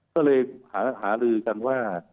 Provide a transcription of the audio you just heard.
ก็เลยหาลือกันว่า